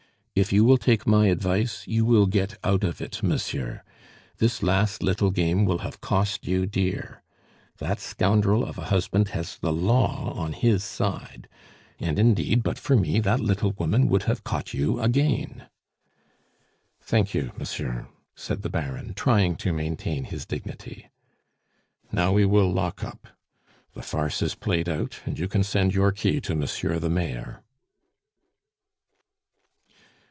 If you will take my advice, you will get out of it, monsieur. This last little game will have cost you dear. That scoundrel of a husband has the law on his side. And indeed, but for me, that little woman would have caught you again!" "Thank you, monsieur," said the Baron, trying to maintain his dignity. "Now we will lock up; the farce is played out, and you can send your key to Monsieur the Mayor."